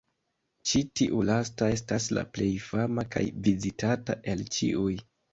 Ĉi tiu lasta estas la plej fama kaj vizitata el ĉiuj.